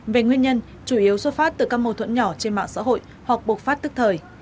về nguyên nhân chủ yếu xuất phát từ các mâu thuẫn nhỏ trên mạng xã hội hoặc bộc phát tức thời